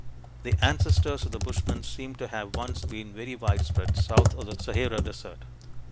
The ancestors of the Bushmen seem to have once been very widespread south of the Sahara Desert.